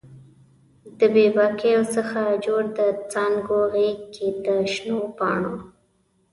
د بې باکیو څخه جوړ د څانګو غیږ کې د شنو پاڼو